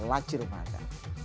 laci rumah anda